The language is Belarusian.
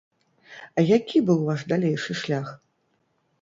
А які быў ваш далейшы шлях?